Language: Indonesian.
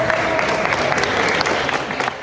dan piala thomas